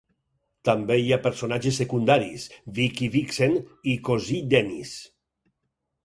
També hi ha personatges secundaris "Vickie Vixen" i "Cosí Dennis".